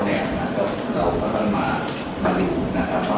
เราก็พันมารู้นะครับว่า